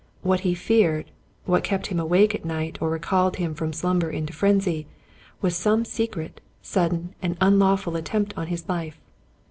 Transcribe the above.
What he feared, what kept him awake at night or recalled him from slumber into frenzy, was some secret, sudden, and unlawful attempt upon his life.